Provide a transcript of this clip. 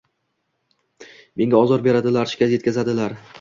Menga ozor beradilar, shikast yetkazadilar.